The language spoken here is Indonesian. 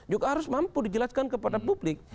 juga harus mampu dijelaskan kepada publik